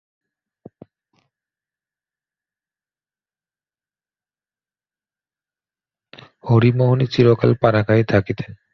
হরিমোহিনী চিরকাল পাড়াগাঁয়েই থাকিতেন।